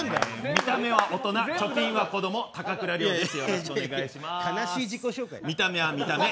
見た目は大人、貯金は子供高倉陵です